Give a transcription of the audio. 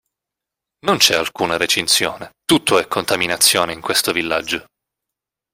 Non c'è alcuna recinzione, tutto è contaminazione in questo villaggio.